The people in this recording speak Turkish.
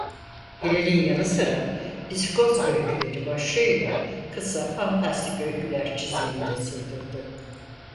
Hilal'in yanı sıra "Psikoz öyküleri" başlığıyla kısa fantastik öyküler çizmeyi de sürdürdü.